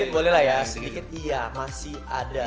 boleh lah ya sedikit iya masih ada